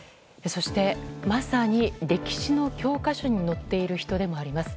そして、まさに歴史の教科書に載っている人でもあります。